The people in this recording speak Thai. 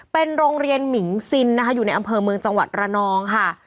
เป็นโรงเรียนหมิงซินนะคะอยู่ในอำเภอเมืองจังหวัดระนองค่ะ